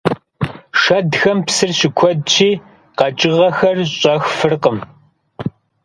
Шэдхэм псыр щыкуэдщи, къэкӀыгъэхэр щӀэх фыркъым.